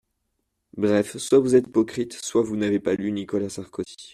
Bref, soit vous êtes hypocrites, soit vous n’avez pas lu Nicolas Sarkozy.